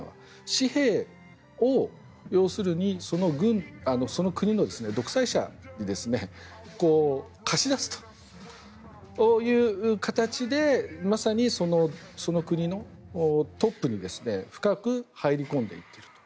私兵を、その国の独裁者に貸し出すという形でまさにその国のトップに深く入り込んでいっていると。